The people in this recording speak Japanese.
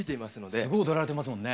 すごい踊られてますもんね。